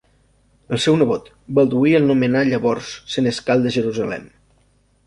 El seu nebot, Balduí el nomenà llavors senescal de Jerusalem.